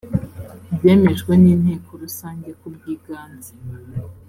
byemejwe n inteko rusange ku bwiganze